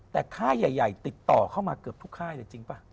แต่ค่ายใหญ่ติดต่อเข้ามาเกือบทุกค่ายเลยจริงป่ะ